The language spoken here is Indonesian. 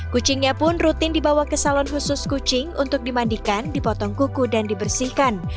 kucingnya pun rutin dibawa ke salon khusus kucing untuk dimandikan dipotong kuku dan dibersihkan